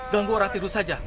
ganggu orang tidur saja